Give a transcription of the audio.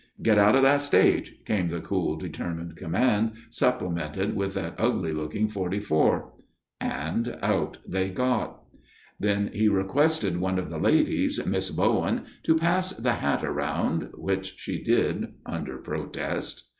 "Get out of that stage," came the cool, determined command, supplemented with that ugly looking 44. And out they got. Then he requested one of the ladies, Miss Bowen, to "pass the hat around," which she did under protest.